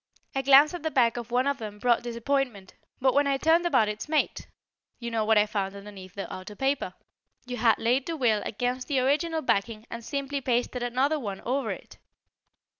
"A glance at the back of one of them brought disappointment, but when I turned about its mate You know what I found underneath the outer paper. You had laid the will against the original backing and simply pasted another one over it.